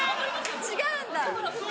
違うんだ！？